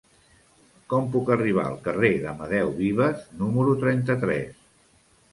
Com puc arribar al carrer d'Amadeu Vives número trenta-tres?